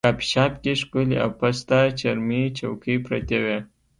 کافي شاپ کې ښکلې او پسته چرمي چوکۍ پرتې وې.